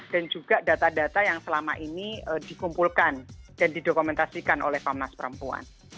dan juga data data yang selama ini dikumpulkan dan didokumentasikan oleh komnas perempuan